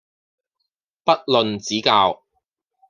不吝指教